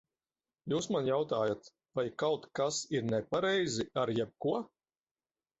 Jūs man jautājat, vai kaut kas ir nepareizi ar jebko?